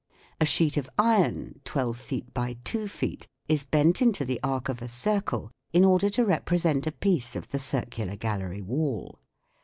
A sheet of iron, twelve feet by two feet, is bent into the arc of a circle, in order to represent a piece of the circular Gallery wall.